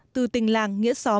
từ tình làng nghĩa xóm